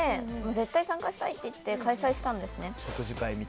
絶対参加したいって言って開催したんですね。